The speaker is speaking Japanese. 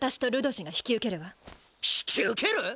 引き受ける？